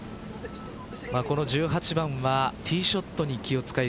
この１８番はティーショットに気を使い